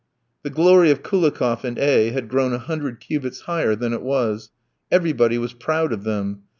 The glory of Koulikoff and A v had grown a hundred cubits higher than it was. Everybody was proud of them.